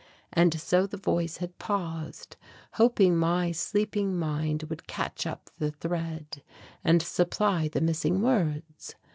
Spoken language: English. And so the voice had paused, hoping my sleeping mind would catch up the thread and supply the missing words.